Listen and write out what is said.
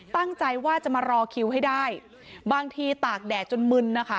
ตั้งใจว่าจะมารอคิวให้ได้บางทีตากแดดจนมึนนะคะ